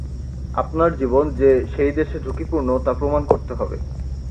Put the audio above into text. আপনার জীবন যে সেই দেশে ঝুঁকিপূর্ণ তা প্রমাণ করতে হবে।